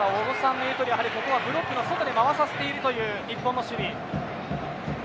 小野さんの言うとおりここはブロックの外で回させているという日本の守備。